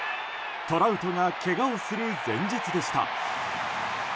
トラウトがけがをする前日でした。